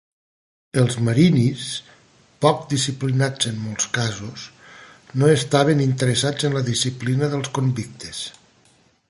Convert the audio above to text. Els marinis, poc disciplinats en molts casos, no estaven interessats en la disciplina dels convictes.